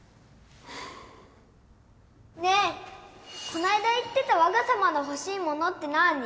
ねえこの間言ってたわが様の欲しい物って何？